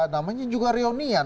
namanya juga reunian